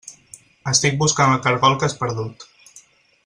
Estic buscant el caragol que has perdut.